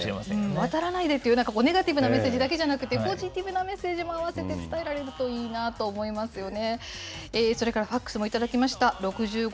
渡らないでっていう、ネガティブなメッセージだけじゃなくて、ポジティブなメッセージも併せて伝わるといいなと思いますよね。